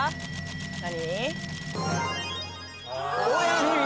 ・・何？